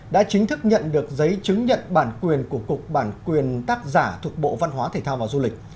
đã chính thức nhận được giấy chứng nhận bản quyền của cục bản quyền tác giả thuộc bộ văn hóa thể thao và du lịch